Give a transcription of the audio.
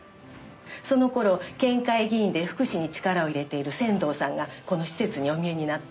その頃県会議員で福祉に力を入れている仙堂さんがこの施設にお見えになって。